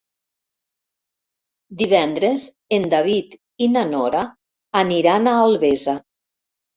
Divendres en David i na Nora aniran a Albesa.